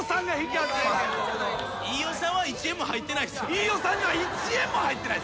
飯尾さんには１円も入ってない。